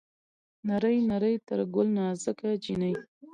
نرۍ نرى تر ګل نازکه جينۍ